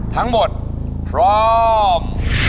ทั้งหมดพร้อม